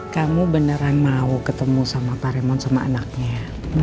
kamu beneran mau ketemu sama pak raymond sama anaknya